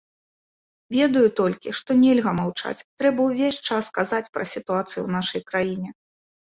Ведаю толькі, што нельга маўчаць, трэба ўвесь час казаць пра сітуацыю ў нашай краіне.